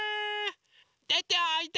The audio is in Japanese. でておいで！